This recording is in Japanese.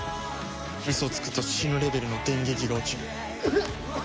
ウソつくと死ぬレベルの電撃が落ちる。